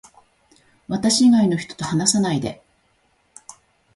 私以外の人と話さないで